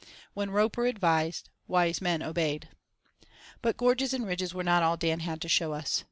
When Roper advised, wise men obeyed. But gorges and ridges were not all Dan had to show us.